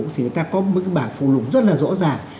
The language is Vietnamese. thì người ta có một cái bảng phụ lục rất là rõ ràng